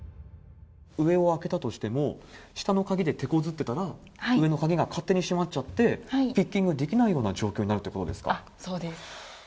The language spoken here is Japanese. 上を開けたとしても、下の鍵でてこずってたら、上の鍵が勝手に閉まっちゃって、ピッキングできないような状況になるということですか？